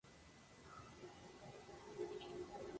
Sus padres eran propietarios de un molino en su pueblo natal.